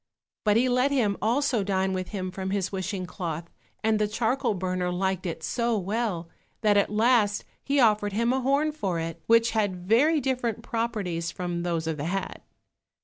But he let him also dine with him from his wishing cloth, and the charcoal burner liked it so well, that at last he offered him a horn for it, which had very different properties from those of the hat.